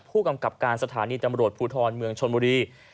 ผู้กำกับการสถานีตำรวจภูทรเมืองชนบุรี